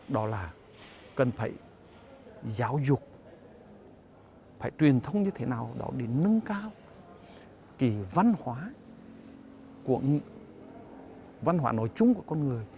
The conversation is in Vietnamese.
đó là cần phải giáo dục phải truyền thông như thế nào đó để nâng cao kỳ văn hóa của văn hóa nội chung của con người